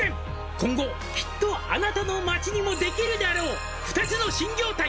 「今後きっとあなたの街にも」「できるであろう２つの新業態」